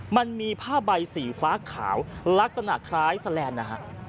มันมีผ้าใบสีฟ้าขาวลักษณะคล้ายสแลนด์นะฮะ